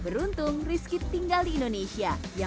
beruntung rizky tinggal di indonesia